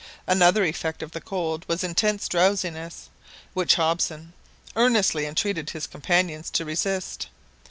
Another effect of the cold was intense drowsiness, which Hobson earnestly entreated his companions to resist.